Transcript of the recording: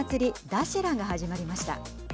ダシェラが始まりました。